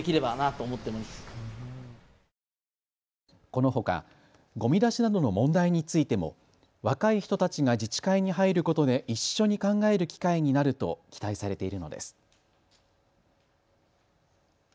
このほかごみ出しなどの問題についても若い人たちが自治会に入ることで一緒に考える機会になると期待されているのです。